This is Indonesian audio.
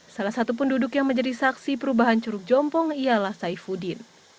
salah satu penduduk yang menjadi saksi perubahan curug jompong ialah saifuddin